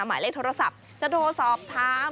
หมายเลขโทรศัพท์จะโทรสอบถาม